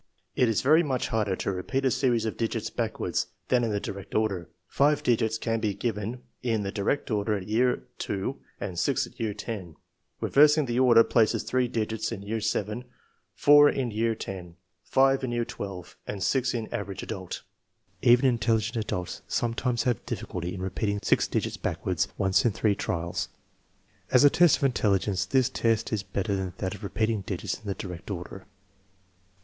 It is very much harder to repeat a series of digits back wards than in the direct order. Five digits can be given in the direct order at year II, and six at year X. Revers ing the order places three digits in year VII, four in year X, five in year XII, and six in " average adult" Even 208 THE MEASUREMENT OF INTELLIGENCE intelligent adults sometimes have difficulty in repeating six digits backwards, once in three trials. As a test of intelligence this test is better than that of repeating digits in the direct order.